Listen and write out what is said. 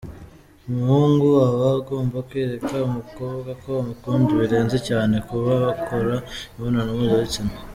Umuhungu aba agomba kwereka umukobwa ko amukunda birenze cyane kuba bakora imibonano mpuzabitsina.